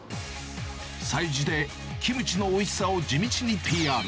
催事でキムチのおいしさを地道にＰＲ。